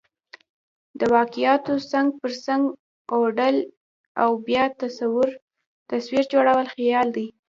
د واقعاتو څنګ پر څنګ اوډل او بیا تصویر جوړل خیال دئ.